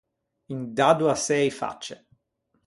Un daddo à sëi facce.